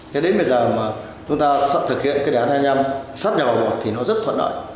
thế đến bây giờ mà chúng ta sắp thực hiện đề án hai năm sáp nhập vào một thì nó rất thuận lợi